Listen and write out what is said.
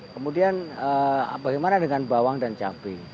kemudian bagaimana dengan bawang dan cabai